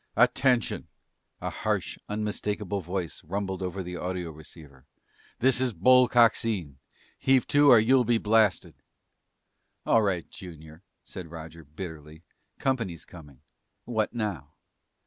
"Attention " A harsh unmistakable voice rumbled over the audioceiver. "This is Bull Coxine! Heave to or you'll be blasted!" "All right, Junior," said Roger bitterly, "company's coming. What now?"